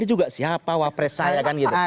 tidak siapa wapres saya kan gitu